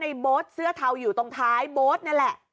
โบ๊ทเสื้อเทาอยู่ตรงท้ายโบ๊ทนี่แหละ